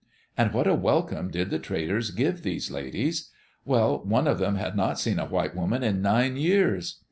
And what a welcome did the traders give these ladies I Well, one of them had not seen a white woman in nine years.